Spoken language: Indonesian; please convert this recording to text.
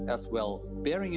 dan juga masalah mereka